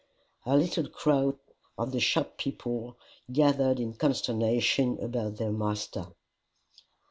A little crowd of the shop people gathered in consternation about their master.